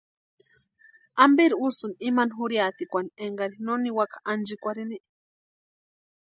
¿Amperi úsïni imani jurhiatikwan énkari no niwaka ánchikwarhini?